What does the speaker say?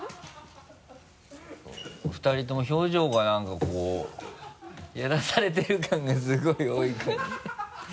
２人とも表情がなんかこうやらされてる感がすごい多い感じ